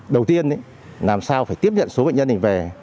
đầu tiên làm sao phải tiếp nhận số bệnh nhân này về